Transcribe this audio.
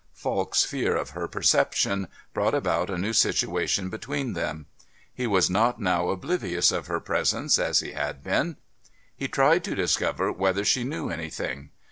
Falk's fear of her perception brought about a new situation between them. He was not now oblivious of her presence as he had been. He tried to discover whether she knew anything.